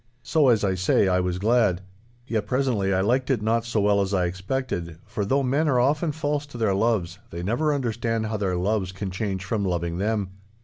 So, as I say, I was glad. Yet presently I liked it not so well as I expected, for though men are often false to their loves, they never understand how their loves can change from loving them.